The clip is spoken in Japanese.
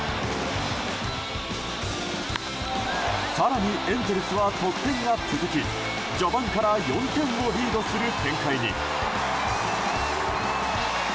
更にエンゼルスは得点が続き序盤から４点をリードする展開に。